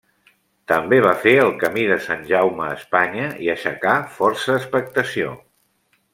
També va fer el camí de Sant Jaume a Espanya, i aixecà força expectació.